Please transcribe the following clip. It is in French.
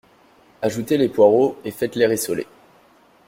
Ajoutez les poireaux et faites-les rissoler